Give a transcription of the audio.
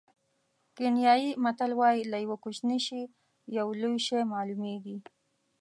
کینیايي متل وایي له یوه کوچني شي یو لوی شی معلومېږي.